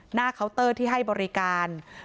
เคาน์เตอร์ที่ให้บริการ